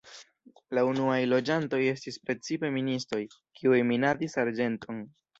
La unuaj loĝantoj estis precipe ministoj, kiuj minadis arĝenton.